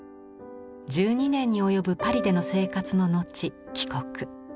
１２年に及ぶパリでの生活の後帰国。